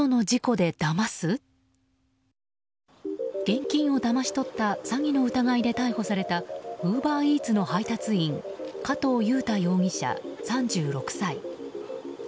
現金をだまし取った詐欺の疑いで逮捕されたウーバーイーツの配達員加藤雄太容疑者、３６歳。